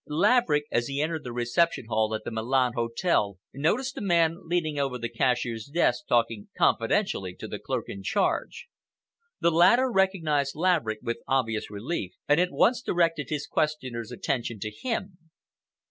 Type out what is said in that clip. Laverick, as he entered the reception hall at the Milan Hotel, noticed a man leaning over the cashier's desk talking confidentially to the clerk in charge. The latter recognized Laverick with obvious relief, and at once directed his questioner's attention to him.